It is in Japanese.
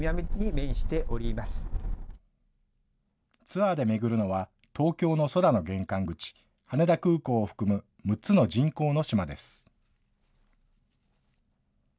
ツアーで巡るのは、東京の空の玄関口、羽田空港を含む６つの人工の島です。